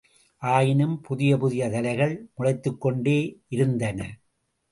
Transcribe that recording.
ஆயினும், புதிய புதிய தலைகள் முளைத்துக்கொண்டேயிருந்தன.